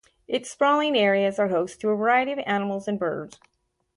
Its sprawling areas are host to a variety of animals and birds.